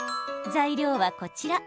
材料は、こちら。